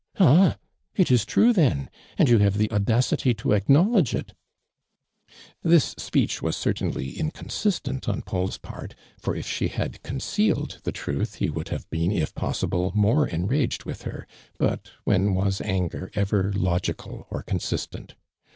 " Ah ! it is true then ! And you have the audacity to acknowledge it !" ARMAND DURAXD, 16 This speech was certainly inconsistent on Pauls part, for if slie hiid concealed the trutii he wouKl have been if possible more enraged with her : l>ut when was anger ever logical or consistent